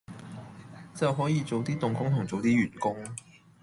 就可以早啲動工同早啲完工